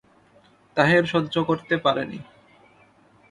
তাহের সহ্য করতে পারে নি।